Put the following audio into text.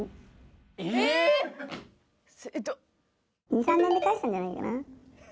・２３年で返したんじゃないかな？